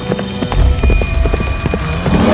inilah yang akan aku lakukan